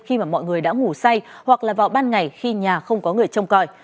khi mà mọi người đã ngủ say hoặc là vào ban ngày khi nhà không có người trông coi